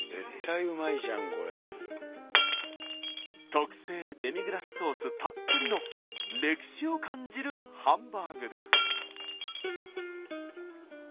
特製デミグラスソースたっぷりの歴史を感じるハンバーグです。